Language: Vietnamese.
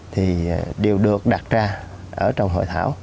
thì đều được đặt ra ở trong hội thảo